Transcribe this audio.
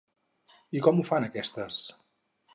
I com ho fan aquestes?